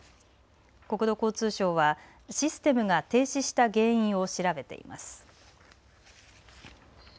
国土交通省はシステムが停止した原因を調べています。